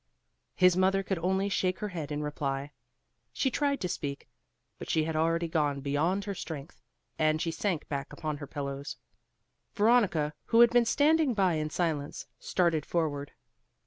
His mother could only shake her head in reply. She tried to speak, but she had already gone beyond her strength, and she sank back upon her pillows. Veronica, who had been standing by in silence, started forward.